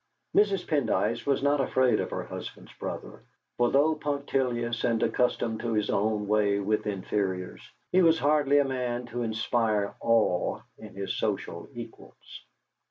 Mrs. Pendyce was not afraid of her husband's brother, for though punctilious and accustomed to his own way with inferiors, he was hardly a man to inspire awe in his social equals.